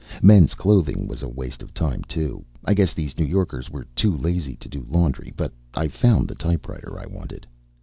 Men's Clothing was a waste of time, too I guess these New Yorkers were too lazy to do laundry. But I found the typewriter I wanted.